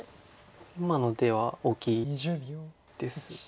今の出は大きいです。